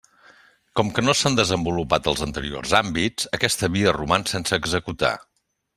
Com que no s'han desenvolupat els anteriors àmbits, aquesta via roman sense executar.